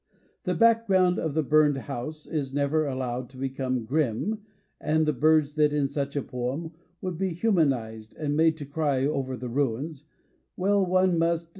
The back ground of the burned house is never allowed to become "grim" — and the birds that, in such a poem, would be humanized and made to cry over the ruins Well, one must